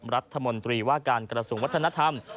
รัฐมนตรีว่าการกระทรวงวัฒนธรรม